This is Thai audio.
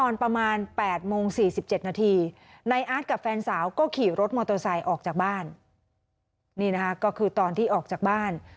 นี่นะคะก็คือตอนที่ออกจากบ้าน